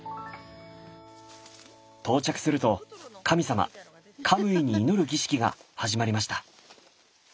到着すると神様カムイに祈る儀式が始まりました。